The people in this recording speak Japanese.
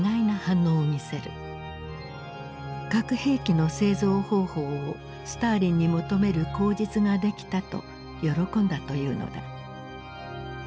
核兵器の製造方法をスターリンに求める口実ができたと喜んだというのだ。